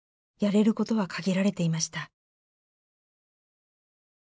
やれることは限られていました。